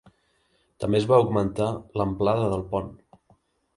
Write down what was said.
També es va augmentar l'amplada del pont.